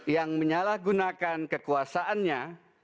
yang menyalahgunakan kekuasaannya